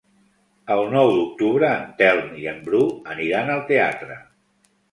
El nou d'octubre en Telm i en Bru aniran al teatre.